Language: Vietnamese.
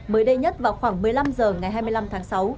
mới đây nhất vào khoảng một mươi năm h ngày hai mươi năm tháng sáu